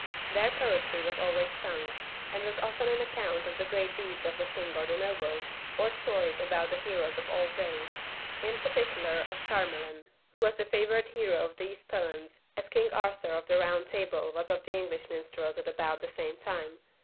Their poetry was always sung, and was often an account of the great deeds of the king or the nobles, or stories about the heroes of old days, in particular of Charlemagne, who was the favourite hero of these poems, as King Arthur of the Eound Table was of the English minstrels at about the same time.